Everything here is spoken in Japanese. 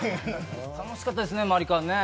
楽しかったですね、マリカーね。